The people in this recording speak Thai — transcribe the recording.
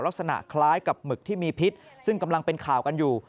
ลักษณะคล้ายกับหมึกที่มีพิษซึ่งกำลังเป็นข่าวกันอยู่